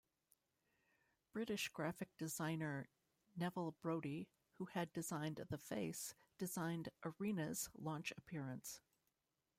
British graphic designer Neville Brody, who had designed "The Face," designed "Arena's" launch appearance.